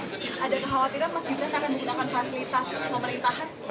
ada kekhawatiran mas gibran akan menggunakan fasilitas pemerintahan